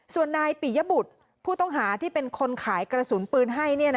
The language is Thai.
ส่วนนายปิยบุตรผู้ต้องหาที่เป็นคนขายกระสุนปืนให้